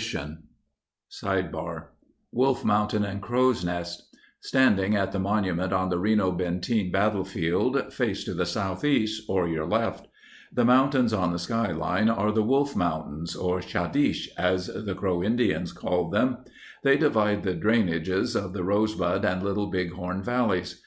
logicaJexeavations in 5fa#tecftosolvethe nfetdle vi* O Wolf Mountains and Crow's Nest Standing at the monument on the Reno Benteen Battle field, face to the southeast, or your left. The mountains on the skyline are the Wolf Mountains, or "Chadeesh," as the Crow Indians called them. They divide the drainages of the Rosebud and Little Bighorn valleys.